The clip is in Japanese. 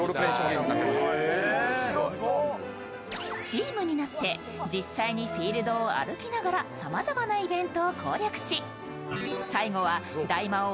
チームになって実際にフィールドを歩きながらさまざまなイベントを攻略し最後は大魔王